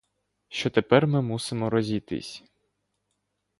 Що тепер ми мусимо розійтись.